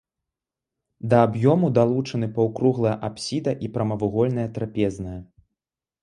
Да аб'ёму далучаны паўкруглая апсіда і прамавугольная трапезная.